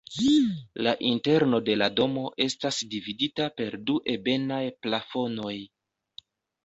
La interno de la domo estas dividita per du ebenaj plafonoj.